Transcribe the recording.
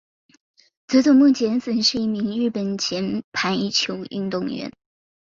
佐佐木节子是一名日本前排球运动员。